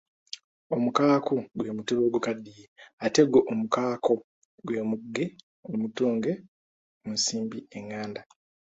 Omukaaku gwe mutuba ogukaddiye ate gwo omukaako gwe muge omutunge mu nsimbi enganda.